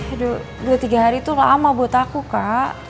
aduh dua tiga hari itu lama buat aku kak